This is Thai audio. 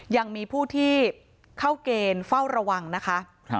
ยังมีผู้ที่เข้าเกณฑ์เฝ้าระวังนะคะ